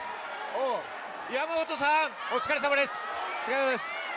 山本さん、お疲れさまです。